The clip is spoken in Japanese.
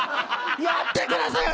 やってください！